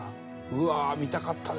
うわー見たかったですね